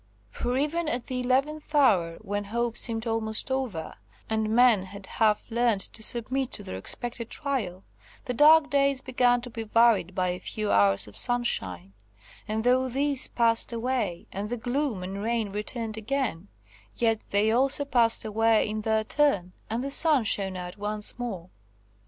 For even at the eleventh hour, when hope seemed almost over, and men had half learned to submit to their expected trial, the dark days began to be varied by a few hours of sunshine; and though these passed away, and the gloom and rain returned again, yet they also passed away in their turn, and the sun shone out once more.